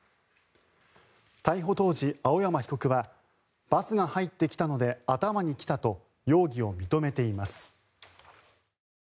逮捕当時、青山被告はバスが入ってきたので頭にきたと容疑を認めています。